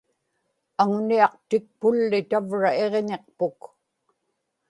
aŋuniaqtikpulli tavra iġñiqpuk